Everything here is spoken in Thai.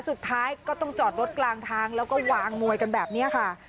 สุดท้ายก็ต้องจอดรถกลางทางแล้วก็วางมวยกันแบบนี้ค่ะ